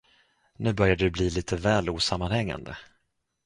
Nu börjar du bli lite väl osammanhängande.